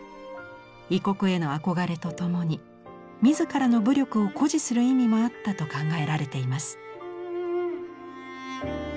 異国への憧れとともに自らの武力を誇示する意味もあったと考えられています。